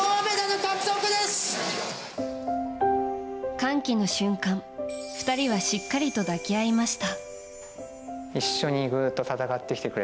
歓喜の瞬間、２人はしっかりと抱き合いました。